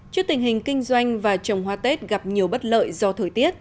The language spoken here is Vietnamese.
trước tình hình kinh doanh và trồng hoa tết gặp nhiều bất lợi do thời tiết